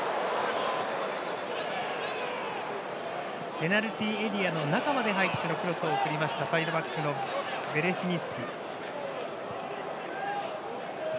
ペナルティーエリアの中まで入ってのクロスを送りましたサイドバックのベレシニスキ。